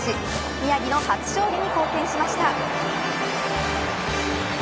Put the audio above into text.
宮城の初勝利に貢献しました。